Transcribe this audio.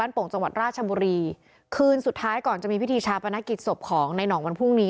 โป่งจังหวัดราชบุรีคืนสุดท้ายก่อนจะมีพิธีชาปนกิจศพของในห่องวันพรุ่งนี้